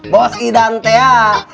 bos idante ya